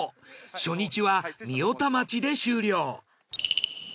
初日は御代田町で終了。